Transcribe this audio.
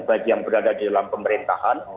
bagi yang berada di dalam pemerintahan